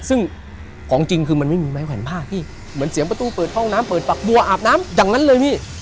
ซึ่งของจริงคือมันไม่มีไม้แขวนผ้าพี่เหมือนเสียงประตูเปิดห้องน้ำเปิดปากบัวอาบน้ำอย่างนั้นเลยพี่